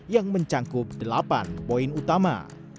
yang mencangkup delapan poin utama